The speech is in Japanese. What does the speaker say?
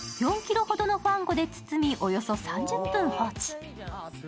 ４ｋｇほどのファンゴで包みおよそ３０分放置。